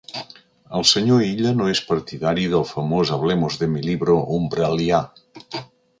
El senyor Illa no és partidari del famós hablemos-de-mi-libro umbral·lià.